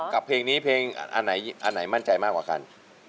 กับเพลงนี้เพลงอันไหนอันไหนมั่นใจมากกว่ากัน